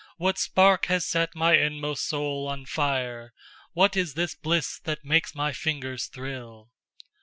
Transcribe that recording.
What spark has set my inmost soul on fire, What is this bliss that makes my fingers thrill?